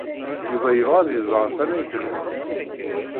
Yuba yebɣa ad iẓer tannayt-nwent.